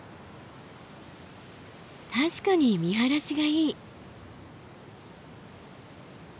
確かに見晴らしがいい。